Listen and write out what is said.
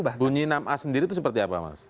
bunyi enam a sendiri itu seperti apa mas